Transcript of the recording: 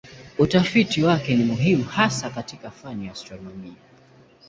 Utafiti wake ni muhimu hasa katika fani ya astronomia.